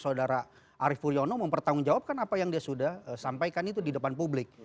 saudara arief puryono mempertanggungjawabkan apa yang dia sudah sampaikan itu di depan publik